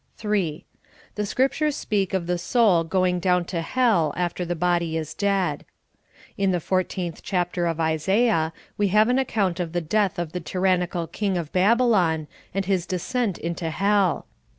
///. The Scriptures speak of the soul going down to hell after the body is dead. In the 14th chapter of Isaiah, we have an account of the death of the t3'rannical king of Babylon, and his de scent into hell.